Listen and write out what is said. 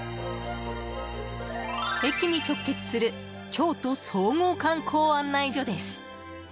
駅に直結する京都総合観光案内所です。